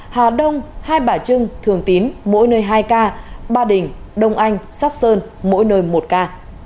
hà đông hai bà trưng thường tín mỗi nơi hai ca ba đình đông anh sóc sơn mỗi nơi một ca